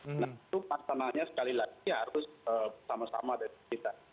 nah itu pastamanya sekali lagi harus bersama sama dari kita